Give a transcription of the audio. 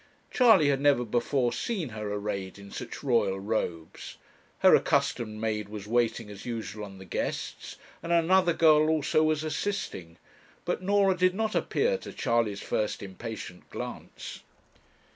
Charley had never before seen her arrayed in such royal robes. Her accustomed maid was waiting as usual on the guests, and another girl also was assisting; but Norah did not appear to Charley's first impatient glance.